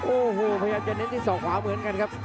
โอ้โหพยายามจะเน้นที่ศอกขวาเหมือนกันครับ